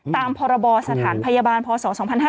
ตามพรบสถานพยาบาลพศ๒๕๕๙